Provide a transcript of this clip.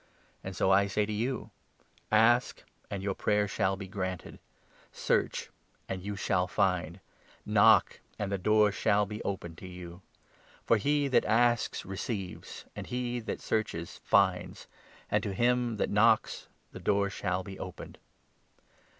And so I say to you — Ask, and your prayer 9 Encourage snall be granted : search, and you shall find ; ment knock, and the door shall be opened to you. to Prayer. por he that asks receives, he that searches 10 finds, and to him that knocks the door shall be opened.